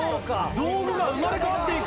道具が生まれ変わって行く！